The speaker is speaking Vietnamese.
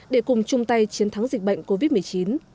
để cùng chung tay chiến thắng dịch bệnh covid một mươi chín